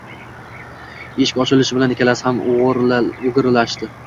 Eshik ochilishi bilan ikkalasi ham o`girilishdi